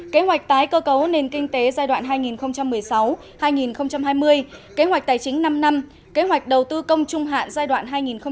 kế hoạch tái cơ cấu nền kinh tế giai đoạn hai nghìn một mươi sáu hai nghìn hai mươi kế hoạch tài chính năm năm kế hoạch đầu tư công trung hạn giai đoạn hai nghìn hai mươi một hai nghìn hai mươi năm